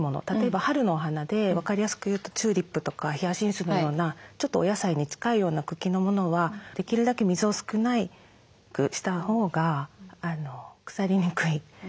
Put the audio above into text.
例えば春のお花で分かりやすく言うとチューリップとかヒヤシンスのようなちょっとお野菜に近いような茎のものはできるだけ水を少なくしたほうが腐りにくいとは思います。